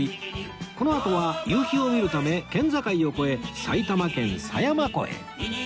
このあとは夕日を見るため県境を越え埼玉県狭山湖へ